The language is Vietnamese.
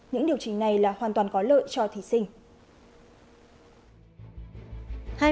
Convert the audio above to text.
những điều chỉnh này là hoàn toàn có lợi cho thí sinh